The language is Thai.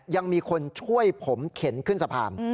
ยังมีคนช่วยผมเข็นขึ้นสะพาน